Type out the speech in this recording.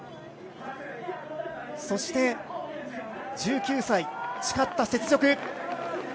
そして１９歳、誓った雪辱。